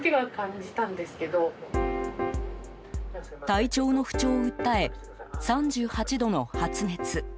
体調の不調を訴え３８度の発熱。